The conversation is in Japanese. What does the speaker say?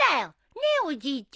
ねえおじいちゃん。